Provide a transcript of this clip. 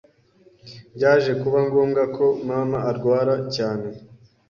Byaje kuba ngombwa ko mama arwara cyane